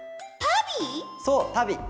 そうたび。